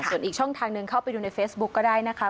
ส่วนอีกช่องทางหนึ่งเข้าไปดูในเฟซบุ๊คก็ได้นะคะ